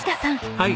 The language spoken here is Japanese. はい。